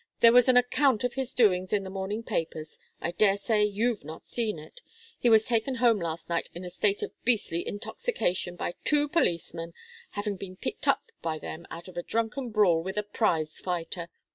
There was an account of his doings in the morning papers. I daresay you've not seen it. He was taken home last night in a state of beastly intoxication by two policemen, having been picked up by them out of a drunken brawl with a prize fighter.